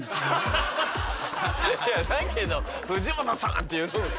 だけど「藤本さん」って言う方が。